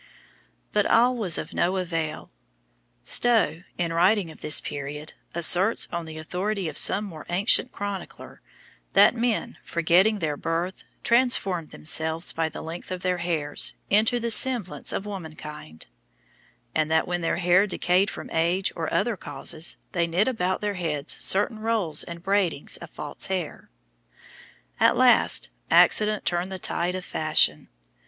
But all was of no avail. Stowe, in writing of this period, asserts, on the authority of some more ancient chronicler, "that men, forgetting their birth, transformed themselves, by the length of their haires, into the semblance of woman kind;" and that when their hair decayed from age, or other causes, "they knit about their heads certain rolls and braidings of false hair." At last accident turned the tide of fashion.